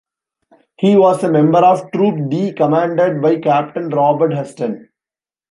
He was a member of Troop D commanded by Captain Robert Huston.